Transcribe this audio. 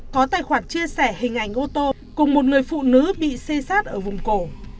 có tài khoản chia sẻ hình ảnh ô tô cùng một người phụ nữ bị xê sát ở vùng cổ